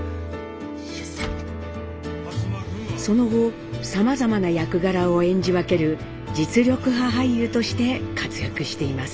その後さまざまな役柄を演じ分ける実力派俳優として活躍しています。